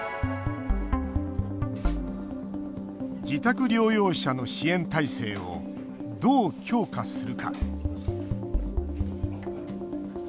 自宅療養者の支援態勢をどう強化するか。